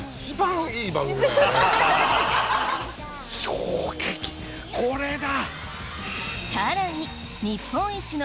衝撃これだ！